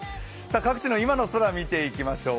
各地の今の空を見ていきましょう。